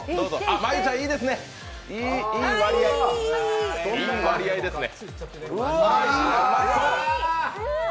真悠ちゃんいいですね、いい割合ですね。